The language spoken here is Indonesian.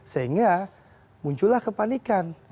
sehingga muncullah kepanikan